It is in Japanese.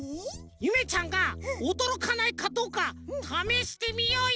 ゆめちゃんがおどろかないかどうかためしてみようよ！